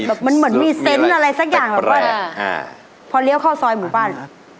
เหมือนมีเซนต์อะไรสักอย่างแบบว่าพอเลี้ยวเข้าซอยหมู่บ้าน